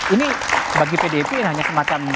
ini bagi pdip hanya semacam